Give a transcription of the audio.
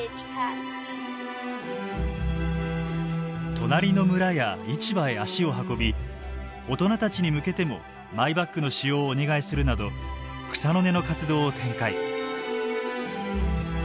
隣の村や市場へ足を運び大人たちに向けてもマイバッグの使用をお願いするなど草の根の活動を展開。